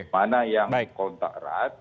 mana yang kontak erat